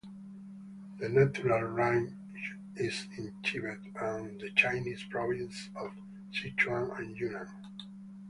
The natural range is in Tibet and the Chinese provinces of Sichuan and Yunnan.